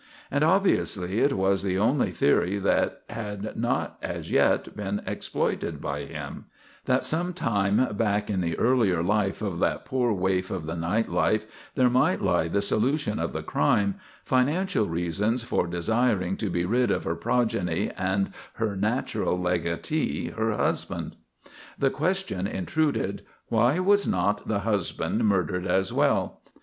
And obviously it was the only theory that had not as yet been exploited by him; that some place back in the earlier life of that poor waif of the night life there might lie the solution of the crime financial reasons for desiring to be rid of her progeny and her natural legatee, her husband. The question intruded: why was not the husband murdered as well?